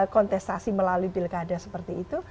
kontestasi melalui pilkada seperti itu